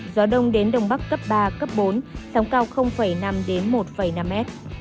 gió đông đến đồng bắc cấp ba cấp bốn sóng cao năm đến một năm m